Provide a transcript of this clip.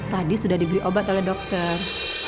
tadi sudah diberi obat oleh dokter